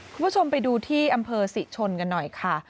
คุณผู้ชมไปดูที่อำเภอศรีชนกันหน่อยค่ะ